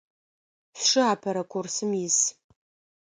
Сшы апэрэ курсым ис.